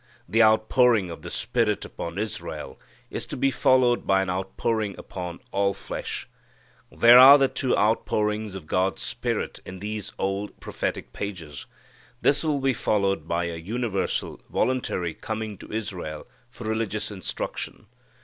The outpouring of the Spirit upon Israel is to be followed by an outpouring upon all flesh. There are the two outpourings of God's Spirit in these old prophetic pages. This will be followed by a universal, voluntary coming to Israel for religious instruction.